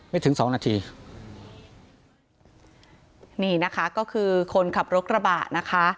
ถึงสองนาทีนี่นะคะก็คือคนขับรถกระบะนะคะ